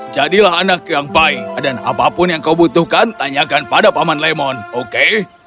jadilah anak yang baik dan apapun yang kau butuhkan tanyakan pada paman lemon oke